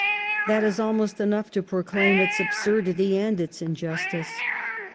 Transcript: That is almost enough to proclaim its absurdity and its injustice.